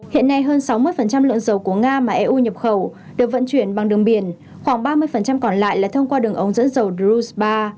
hiện nay hơn sáu mươi lượng dầu của nga mà eu nhập khẩu được vận chuyển bằng đường biển khoảng ba mươi còn lại là thông qua đường ống dẫn dầu drus ba